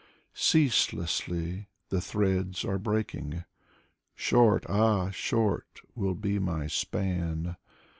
Ceaselessly the threads are breaking,— Short, ah short will be my span